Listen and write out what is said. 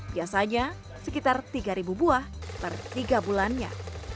biasanya sekitar tiga buah per tiga bulannya